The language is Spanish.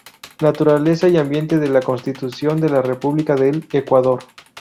Naturaleza y ambiente de la constitución de la República del Ecuador.